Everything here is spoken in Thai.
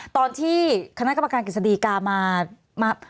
ตอนที่คณะกรรมการเกศดีกามาปรึกษา